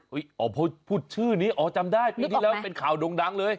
น้ำไม่อาบอ๋อพูดชื่อนี้อ๋อจำได้นึกออกไหมเป็นข่าวโด่งดังเลย